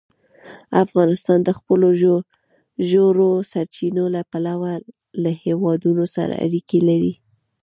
افغانستان د خپلو ژورو سرچینو له پلوه له هېوادونو سره اړیکې لري.